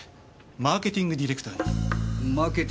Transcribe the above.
マーケティングディレクター？